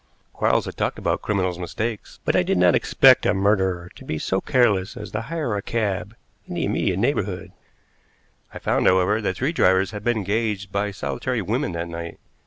Quarles had talked about criminals' mistakes, but I did not expect a murderer to be so careless as to hire a cab in the immediate neighborhood. I found, however, that three drivers had been engaged by solitary women that night.